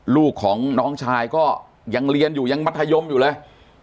ลูกของน้องชายก็ยังเรียนอยู่ยังมัธยมอยู่เลย